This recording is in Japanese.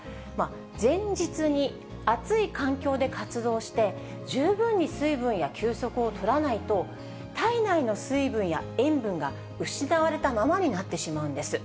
前日に暑い環境で活動して、十分に水分や休息をとらないと、体内の水分や塩分が失われたままになってしまうんです。